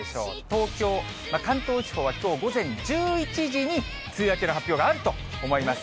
東京、関東地方はきょう午前１１時に梅雨明けの発表があると思います。